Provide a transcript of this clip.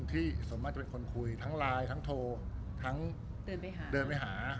ที่ส่วนมากจะเป็นคนคุยทั้งไลน์ทั้งโทรทั้งเดินไปหา